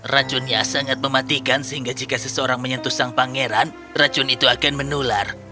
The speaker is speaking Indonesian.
racunnya sangat mematikan sehingga jika seseorang menyentuh sang pangeran racun itu akan menular